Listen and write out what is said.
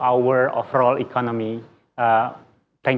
ekonomi kita secara keseluruhan